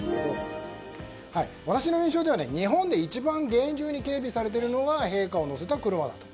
私の印象では日本で一番厳重に警備されているのは陛下を乗せた車だと。